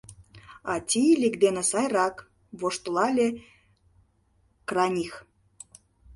— А Тиилик дене сайрак! — воштылале Краних.